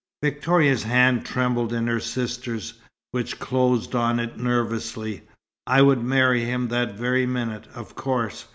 Victoria's hand trembled in her sister's, which closed on it nervously. "I would marry him that very minute, of course.